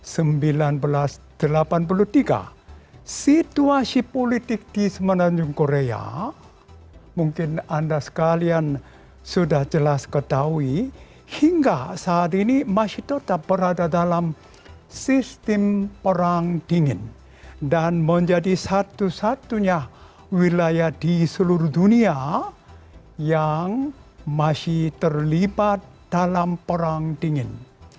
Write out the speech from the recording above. setelah itu korea selatan menjadi satu satunya wilayah di seluruh dunia yang masih terlibat dalam perang dingin